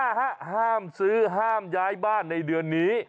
ห้ามซื้อห้ามย้ายบ้านในเดือนนี้